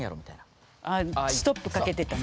あストップかけてたの？